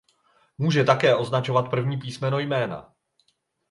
Může také označovat první písmeno jména.